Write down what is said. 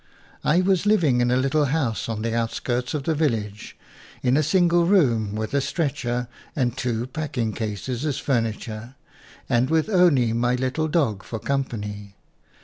I was living in a little house on the outskirts of the village, in a single room, with a stretcher and two packing cases as fur niture, and with only my little dog for company.